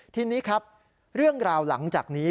ทีนี้ครับเรื่องราวหลังจากนี้